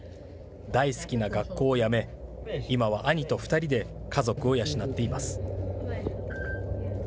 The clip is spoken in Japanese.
大好きな学校をやめ、今は兄と２人で家族を養っています。